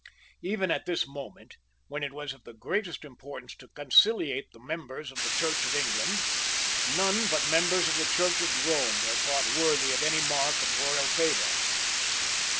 Even at this moment, when it was of the greatest importance to conciliate the members of the Church of England, none but members of the Church of Rome were thought worthy of any mark of royal favour.